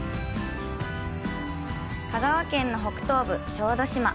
香川県の北東部、小豆島。